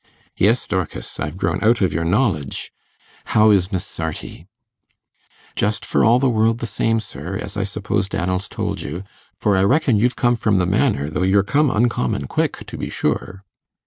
'Yes, Dorcas; I'm grown out of your knowledge. How is Miss Sarti?' 'Just for all the world the same, sir, as I suppose Dannel's told you; for I reckon you've come from the Manor, though you're come uncommon quick, to be sure.